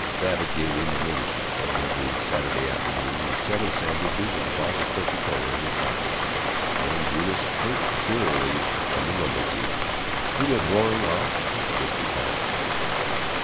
Babbitt gave him a motor cycle, and every Saturday afternoon, with seven sandwiches and a bottle of Coca Cola in his pockets, and Eunice perched eerily on the rumble seat, he went roaring off to distant towns.